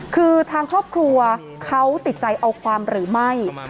คือทางครอบครัวเขาติดใจเอาความหรือไม่